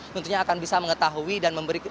tentunya akan bisa mengetahui dan memberikan